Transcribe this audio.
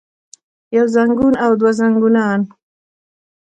يو زنګون او دوه زنګونان